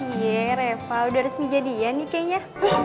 iya reva udah resmi jadian nih kayaknya